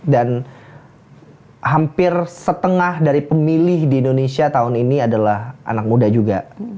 dan hampir setengah dari pemilih di indonesia tahun ini adalah anak muda juga